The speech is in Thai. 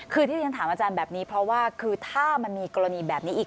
คือที่เรียนถามอาจารย์แบบนี้เพราะว่าคือถ้ามันมีกรณีแบบนี้อีก